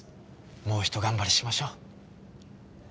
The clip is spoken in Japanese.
もうひと頑張りしましょう。